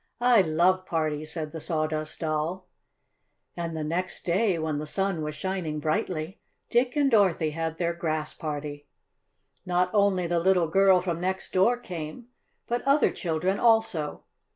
"I love parties!" said the Sawdust Doll. And the next day, when the sun was shining brightly, Dick and Dorothy had their Grass Party. Not only the little girl from next door came, but other children also.